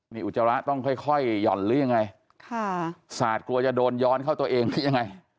นี่อุจจาระต้องค่อยหย่อนหรือยังไงค่ะสาดกลัวจะโดนย้อนเข้าตัวเองหรือยังไง